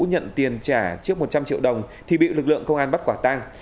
nhận tiền trả trước một trăm linh triệu đồng thì bị lực lượng công an bắt quả tang